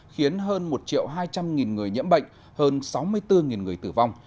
khiến hơn một hai trăm linh người nhiễm bệnh hơn sáu mươi bốn người tử vong